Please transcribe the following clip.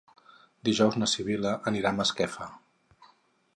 Dijous na Sibil·la anirà a Masquefa.